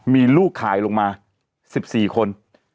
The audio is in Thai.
มีลูกขายลงมา๑๔คน